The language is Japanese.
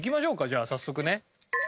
じゃあ早速ね。